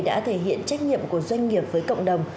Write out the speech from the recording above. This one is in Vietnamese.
đã thể hiện trách nhiệm của doanh nghiệp với cộng đồng